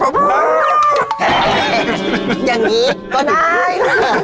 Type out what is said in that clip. อย่างนี้ก็ได้